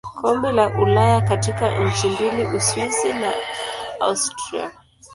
Kombe la Ulaya katika nchi mbili Uswisi na Austria.